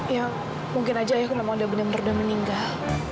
ya mungkin aja yaku memang udah benar benar udah meninggal